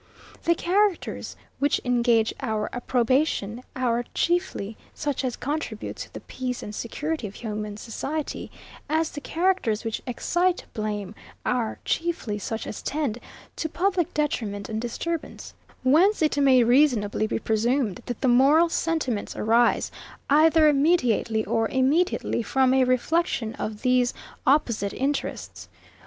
The characters which engage our approbation are chiefly such as contribute to the peace and security of human society; as the characters which excite blame are chiefly such as tend to public detriment and disturbance: Whence it may reasonably be presumed, that the moral sentiments arise, either mediately or immediately, from a reflection of these opposite interests.